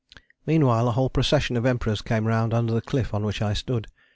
Meanwhile a whole procession of Emperors came round under the cliff on which I stood.